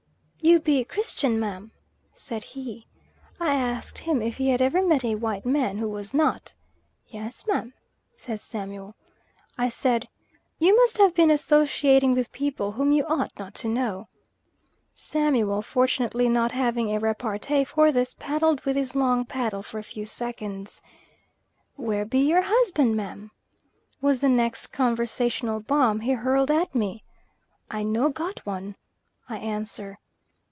"You be Christian, ma?" said he. I asked him if he had ever met a white man who was not. "Yes, ma," says Samuel. I said "You must have been associating with people whom you ought not to know." Samuel fortunately not having a repartee for this, paddled on with his long paddle for a few seconds. "Where be your husband, ma?" was the next conversational bomb he hurled at me. "I no got one," I answer.